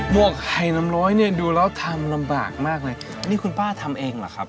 วกไข่น้ำร้อยเนี่ยดูแล้วทำลำบากมากเลยนี่คุณป้าทำเองเหรอครับ